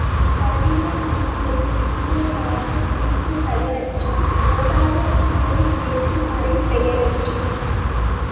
கரிய குதிரை, சிறிய காடு குறிப்புப் பெயரெச்சம், ஓடாத குதிரை எதிர் மறைப் பெயரெச்சம்.